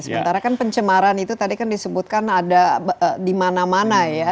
sementara kan pencemaran itu tadi kan disebutkan ada di mana mana ya